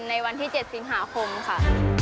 ในวันที่๗สิงหาคมค่ะ